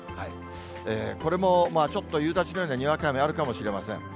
これもちょっと夕立のようなにわか雨あるかもしれません。